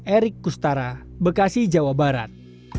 erik kustara bekasi jawa barat